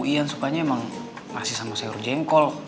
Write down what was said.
iya sukanya emang ngasih sama sayur jengkol